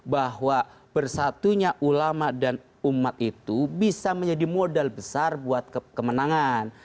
bahwa bersatunya ulama dan umat itu bisa menjadi modal besar buat kemenangan